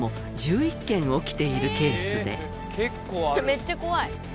「めっちゃ怖い」